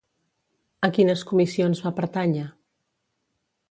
A quines comissions va pertànyer?